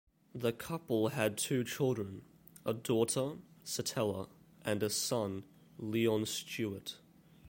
The couple had two children: a daughter, Satella, and a son, Leon Stewart.